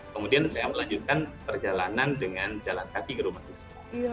kemudian saya melanjutkan perjalanan dengan jalan kaki ke rumah siswa